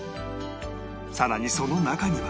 さらにその中には